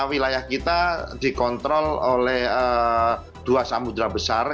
wilayah kita dikontrol oleh dua samudera besar